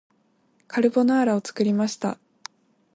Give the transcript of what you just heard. カルボナーラを作りました